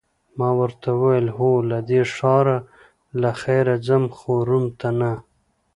ما ورته وویل: هو، له دې ښاره له خیره ځم، خو روم ته نه.